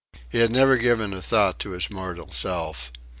He had never given a thought to his mortal self.